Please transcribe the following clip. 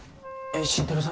新太郎さん